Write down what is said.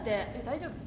大丈夫？